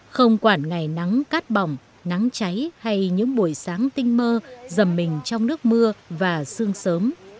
không quản ngày nắng cát bỏng nắng cháy hay những buổi sáng tinh mơ dầm mình trong nước mưa và sương sớm